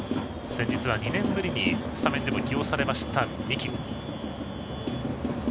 先日は２年ぶりにスタメンに起用された三木。